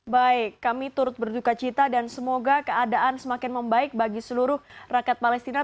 baik kami turut berduka cita dan semoga keadaan semakin membaik bagi seluruh rakyat palestina